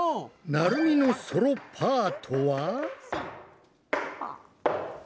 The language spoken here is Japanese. なるみのソロパートは。